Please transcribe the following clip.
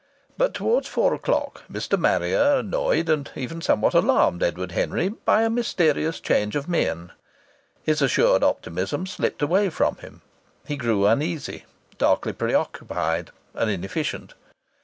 But towards four o'clock Mr. Marrier annoyed and even somewhat alarmed Edward Henry by a mysterious change of mien. His assured optimism slipped away from him. He grew uneasy, darkly preoccupied, and inefficient.